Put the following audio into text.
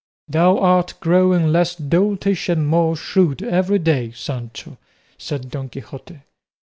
"Thou art growing less doltish and more shrewd every day, Sancho," said Don Quixote.